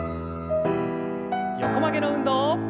横曲げの運動。